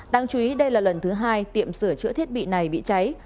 đáng chú ý đây là lần thứ hai tiệm sửa chữa thiết bị này bị cháy